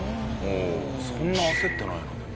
そんな焦ってないなでも。